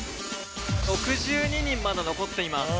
６２人まだ残っています。